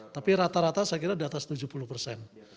tapi rata rata saya kira di atas tujuh puluh persen